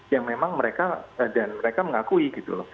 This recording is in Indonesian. yang memang mereka mengakui